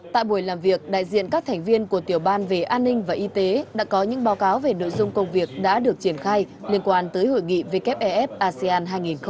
tại buổi làm việc đại diện các thành viên của tiểu ban về an ninh và y tế đã có những báo cáo về nội dung công việc đã được triển khai liên quan tới hội nghị wef asean hai nghìn hai mươi